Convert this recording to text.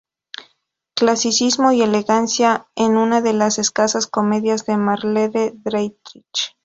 Clasicismo y elegancia en una de las escasas comedias de Marlene Dietrich.